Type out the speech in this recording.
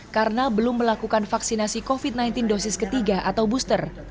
karena belum melakukan vaksinasi covid sembilan belas dosis ketiga atau booster